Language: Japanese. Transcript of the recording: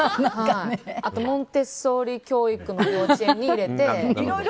あとモンテッソーリ教育の幼稚園に入れて。